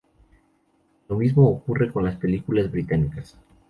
Lo mismo ocurre con las películas británicas.